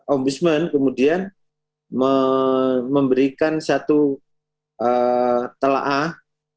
ombudsman kemudian memberikan satu telahah